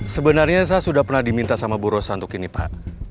sebenarnya saya sudah pernah diminta sama bu rosa untuk ini pak